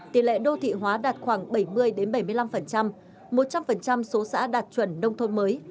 tỷ lệ đô thị hóa đạt khoảng bảy mươi bảy mươi năm một trăm linh số xã đạt chuẩn nông thôn mới